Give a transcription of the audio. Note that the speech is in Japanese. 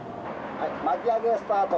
「はい巻き上げスタート」。